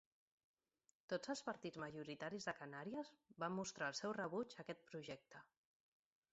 Tots els partits majoritaris de Canàries van mostrar el seu rebuig a aquest projecte.